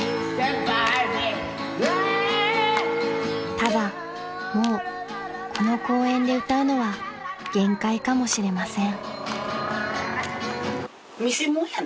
［ただもうこの公園で歌うのは限界かもしれません］